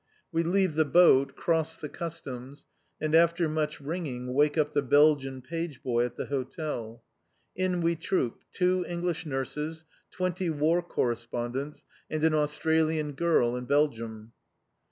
We leave the boat, cross the Customs, and, after much ringing, wake up the Belgian page boy at the Hotel. In we troop, two English nurses, twenty War Correspondents, and an "Australian Girl in Belgium."